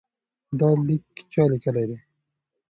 دا لیک چا لیکلی دی؟